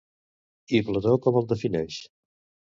I Plató com el defineix?